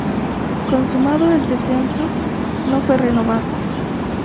Consumado el descenso, no fue renovado.